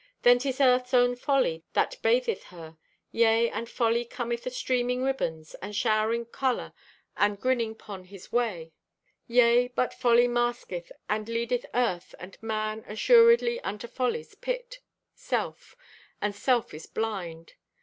"Then 'tis Earth's own folly that batheth her. "Yea, and Folly cometh astreaming ribbands, and showering color, and grinning 'pon his way. "Yea, but Folly masketh and leadeth Earth and man assuredly unto Follies pit—self. And self is blind.